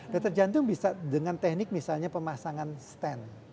deter jantung bisa dengan teknik misalnya pemasangan stand